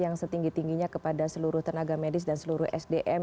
yang setinggi tingginya kepada seluruh tenaga medis dan seluruh sdm